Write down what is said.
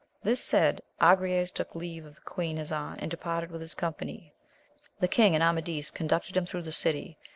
This said, Agrayes took leave of the queen his aunt, and departed with his company. The king and Amadis conducted him through the city.